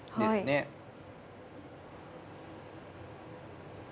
はい。